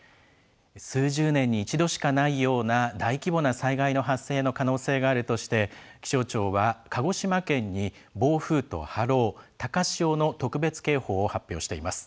数十年に一度しかないような大規模な災害の発生の可能性があるとして、気象庁は、鹿児島県に暴風と波浪、高潮の特別警報を発表しています。